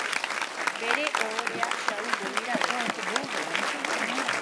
Bere ohorea xahu begira dezan.